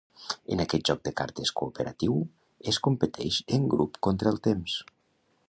En aquest joc de cartes cooperatiu es competeix en grup contra el temps.